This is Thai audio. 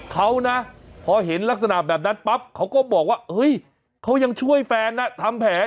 เขานะพอเห็นลักษณะแบบนั้นปั๊บเขาก็บอกว่าเฮ้ยเขายังช่วยแฟนทำแผล